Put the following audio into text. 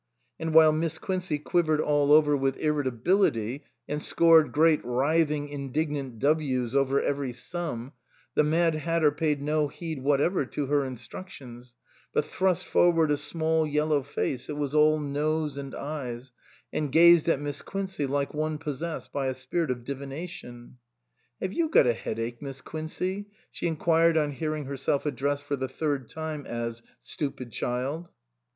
And while Miss Quincey quivered all over with 282 A PAINFUL MISUNDERSTANDING irritability, and scored great writhing, indignant Ws over every sum, the Mad Hatter paid no heed whatever to her instructions, but thrust forward a small yellow face that was all nose and eyes, and gazed at Miss Quincey like one possessed by a spirit of divination. "Have you got a headache Miss Quincey?" she inquired on hearing herself addressed for the third time as " Stupid child